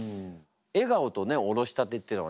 笑顔とねおろしたてってのがね